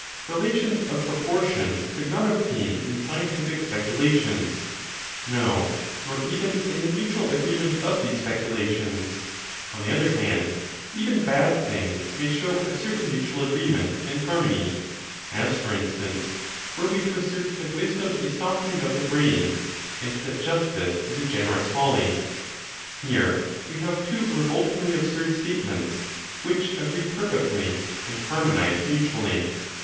Relations of proportion could not obtain in scientific speculations; no, nor even in the mutual agreement of these speculations. On the other hand, even bad things may show a certain mutual agreement and harmony; as, for instance, were we to assert that wisdom is softening of the brain, and that justice is a generous folly. Here we have two revoltingly absurd statements, which agree perfectly, and harmonize mutually.